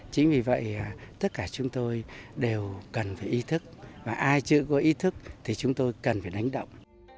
chính vì vậy tất cả chúng tôi đều cần phải ý thức và ai chưa có ý thức thì chúng tôi cần phải đánh động